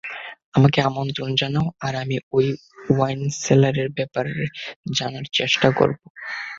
আমাকে আমন্ত্রন জানাও আর আমি ওই ওয়াইন সেলারের ব্যাপারে জানার চেষ্টা করব।